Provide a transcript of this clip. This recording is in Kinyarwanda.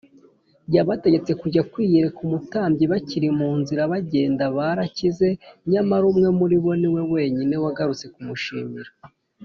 yabategetse kujya kwiyereka umutambyi bakiri mu nzira bagenda barakize, nyamara umwe muri bo ni we wenyine wagarutse kumushimira